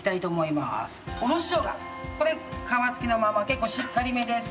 これ皮つきのまま結構しっかりめです。